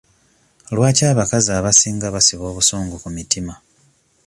Lwaki abakazi abasinga basiba obusungu ku mitima?